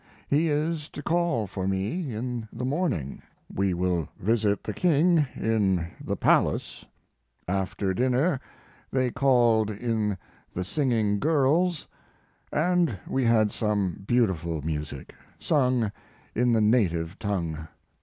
He is to call for me in the morning; we will visit the King in the palace, After dinner they called in the "singing girls," and we had some beautiful music, sung in the native tongue.